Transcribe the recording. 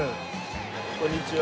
こんにちは。